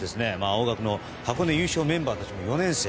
青学の箱根優勝メンバーの４年生